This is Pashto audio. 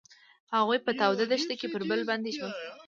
هغوی په تاوده دښته کې پر بل باندې ژمن شول.